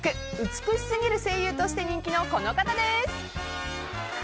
美しすぎる声優として人気のこの方です。